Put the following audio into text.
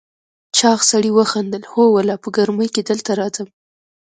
چاغ سړي وخندل: هو والله، په ګرمۍ کې دلته راځم.